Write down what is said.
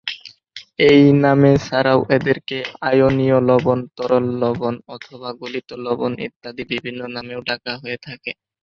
এই নামে ছাড়াও এদেরকে আয়নীয় লবণ, তরল লবণ, অথবা গলিত লবণ ইত্যাদি বিভিন্ন নামেও ডাকা হয়ে থাকে।